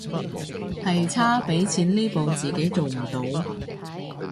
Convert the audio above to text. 係差畀錢呢步自己做唔到